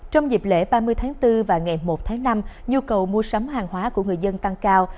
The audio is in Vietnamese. trong dịp lễ ba mươi tháng bốn và ngày một tháng năm nhu cầu mua sắm hàng hóa của người dân tăng cao